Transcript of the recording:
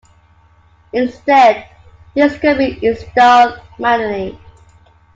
Instead, these could be installed manually.